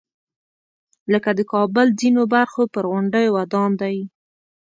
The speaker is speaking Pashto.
لکه د کابل ځینو برخو پر غونډیو ودان دی.